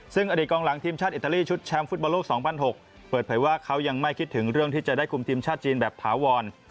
ซึ่งอดีตกองหลังทีมชาติอิตาลีชุดแชมป์ฟุตบอลโลก๒๐๐๖เปิดเผยว่าเขายังไม่คิดถึงเรื่องที่จะได้คุมทีมชาติจีนแบบถาวร